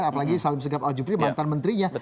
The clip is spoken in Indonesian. apalagi salim segap aljubri mantan menterinya